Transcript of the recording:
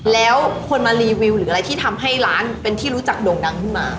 แล้วคนมารีวิวหรืออะไรที่ทำให้ร้านเป็นที่รู้จักโด่งดังขึ้นมา